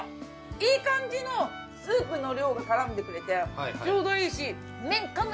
いい感じのスープの量が絡んでくれてちょうどいいし麺噛む